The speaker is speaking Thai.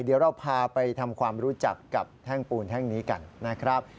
เดี๋ยวเราพาไปทำความรู้จักกับแท่งปูนแท่งนี้กันนะครับ